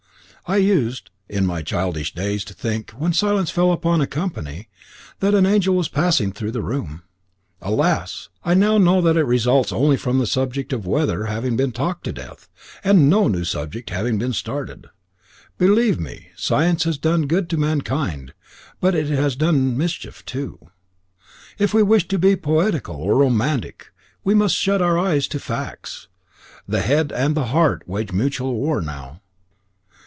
I used, in my childish days, to think, when a silence fell upon a company, that an angel was passing through the room. Alas! I now know that it results only from the subject of weather having been talked to death, and no new subject having been started. Believe me, science has done good to mankind, but it has done mischief too. If we wish to be poetical or romantic, we must shut our eyes to facts. The head and the heart wage mutual war now.